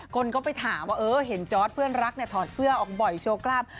คนก็ไปถามว่าเห็นจอร์ดเพื่อนรักถอดเสื้อออกบ่อยโชว์กล้าม